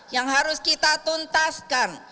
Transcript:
yang harus kita tuntaskan